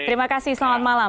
terima kasih selamat malam